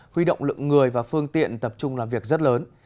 huy động lượng người và phương tiện tập trung làm việc rất lớn